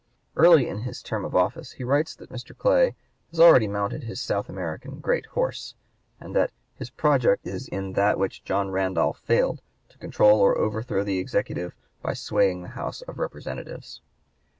Early in his term of office he writes that Mr. Clay has "already mounted his South American great horse," and that his "project is that in which John Randolph failed, to control or overthrow the Executive by swaying the House of Representatives."